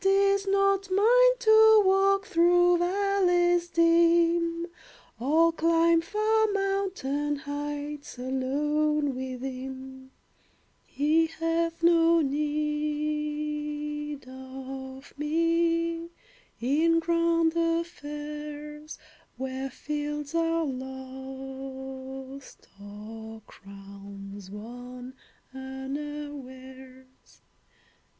It is not mine to walk Through valleys dim, Or climb far mountain heights Alone with him. He hath no need of me In grand affairs, Where fields are lost, or crowns Won unawares.